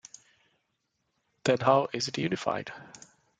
Then how is it unified?